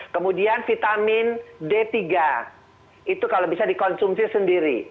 kemudian vitamin d tiga itu kalau bisa dikonsumsi sendiri